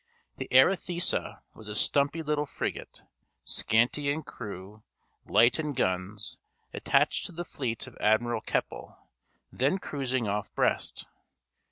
The Arethusa was a stumpy little frigate, scanty in crew, light in guns, attached to the fleet of Admiral Keppel, then cruising off Brest.